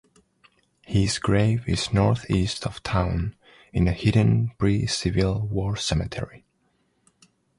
His grave is northeast of town in a hidden pre-Civil War cemetery.